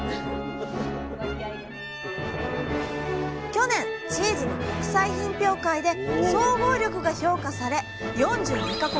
去年チーズの国際品評会で総合力が評価され４２か国